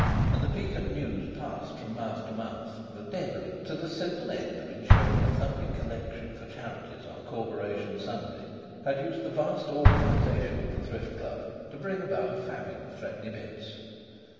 And the piquant news passed from mouth to mouth that Denry, to the simple end of ensuring a thumping collection for charities on Corporation Sunday, had used the vast organisation of the Thrift Club to bring about a famine of threepenny bits.